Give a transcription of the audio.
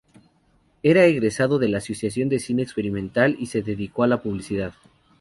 Era egresado de la Asociación de Cine Experimental y se dedicó a la publicidad.